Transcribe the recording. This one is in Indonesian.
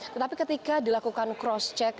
tetapi ketika dilakukan cross check